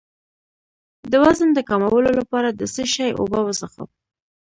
د وزن د کمولو لپاره د څه شي اوبه وڅښم؟